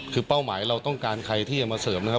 คือเป้าหมายเราต้องการใครที่จะมาเสริมนะครับ